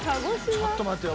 ちょっと待ってよ。